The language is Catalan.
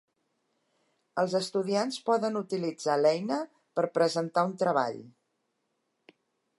Els estudiants poden utilitzar l'eina per presentar un treball.